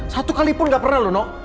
satu kalipun tidak pernah nuk